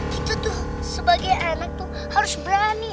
kita tuh sebagai anak tuh harus berani